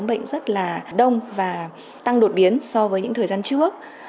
bệnh rất là đông và tăng đột biến so với những thời gian trước